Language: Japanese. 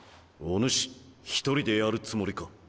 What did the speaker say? お主１人でやるつもりか？